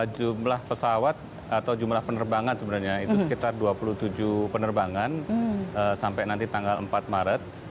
jumlah pesawat atau jumlah penerbangan sebenarnya itu sekitar dua puluh tujuh penerbangan sampai nanti tanggal empat maret